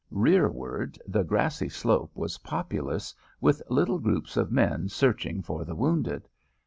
Rearward, the grassy slope was populous with little groups of men searching for the wounded.